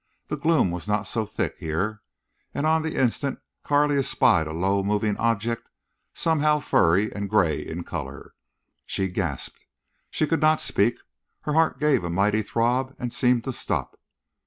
The gloom was not so thick here. And on the instant Carley espied a low, moving object, somehow furry, and gray in color. She gasped. She could not speak. Her heart gave a mighty throb and seemed to stop.